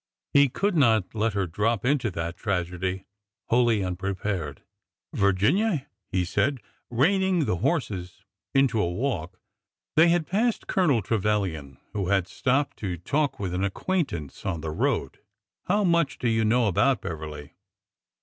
He could not let her drop into that tragedy wholly unprepared. Virginia," he said, reining the horses in to a walk. They had passed Colonel Trevilian, who had stopped to talk with an acquaintance on the road. '' How much do you know about Beverly